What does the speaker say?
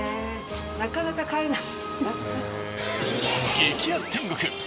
なかなか買えない。